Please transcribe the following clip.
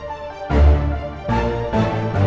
aku mau ke sana